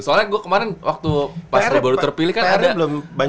soalnya gua kemarin waktu pas lo baru terpilih kan ada